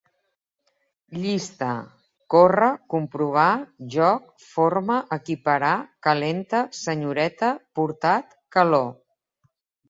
Llista: córrer, comprovar, joc, forma, equiparar, calenta, senyoreta, portat, calor